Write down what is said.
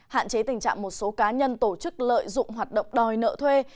hạn chế tình trạng một số cá nhân tổ chức lợi dụng hoạt động đòi nợ thuê